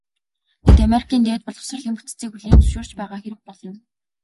Тэд Америкийн дээд боловсролын бүтцийг хүлээн зөвшөөрч байгаа хэрэг болно.